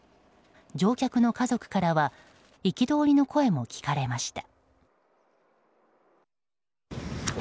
乗客の家族からは憤りの声も聞かれました。